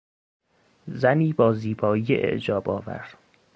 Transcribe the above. زنی با زیبایی اعجابآور